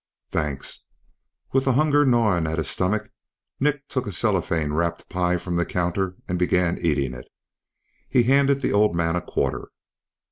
"Thanks." With the hunger gnawing at his stomach, Nick took a cellophane wrapped pie from the counter and began eating it. He handed the old man a quarter.